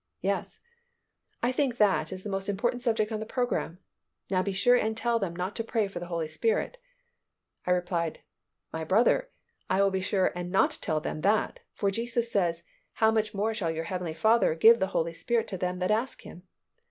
"Yes." "I think that is the most important subject on the program. Now be sure and tell them not to pray for the Holy Spirit." I replied, "My brother, I will be sure and not tell them that: for Jesus says, 'How much more shall your heavenly Father give the Holy Spirit to them that ask Him?